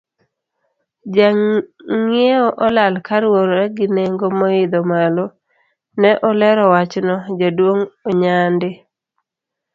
Jongiewo olal kaluwore gi nengo moidho malo, ne olero wachno, jaduong Onyadi.